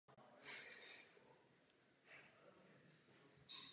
Po návratu z emigrace byl v ústraní a i přes amnestii pod dohledem úřadů.